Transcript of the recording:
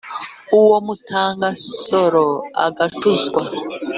Uwo mutaga Nsoro agacuzwa.